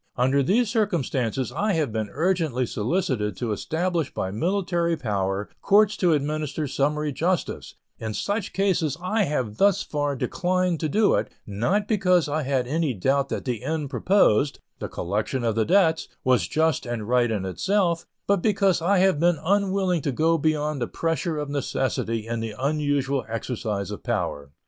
Under these circumstances I have been urgently solicited to establish by military power courts to administer summary justice in such cases I have thus far declined to do it, not because I had any doubt that the end proposed the collection of the debts was just and right in itself, but because I have been unwilling to go beyond the pressure of necessity in the unusual exercise of power.